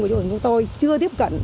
của trường chúng tôi chưa tiếp cận